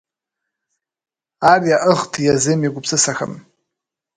Ар яӏыгът езым и гупсысэхэм…